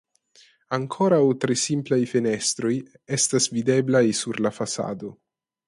Ankoraŭ tre simplaj fenestroj estas videblaj sur la fasado.